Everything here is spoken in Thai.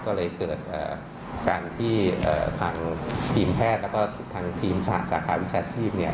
ก็เลยเกิดการที่ทางทีมแพทย์แล้วก็ทางทีมสาขาวิชาชีพเนี่ย